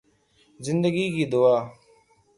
زندگی کی دعا